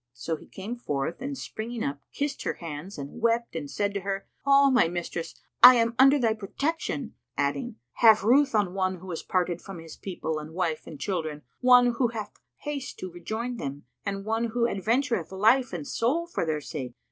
So he came forth and springing up kissed her hands and wept and said to her, "O my mistress, I am under thy protection!"; adding, "Have ruth on one who is parted from his people and wife and children, one who hath haste to rejoin them and one who adventureth life and soul for their sake!